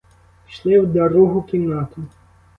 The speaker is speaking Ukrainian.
Пішли в другу кімнату.